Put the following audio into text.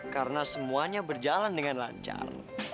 karena semuanya berjalan dengan lancar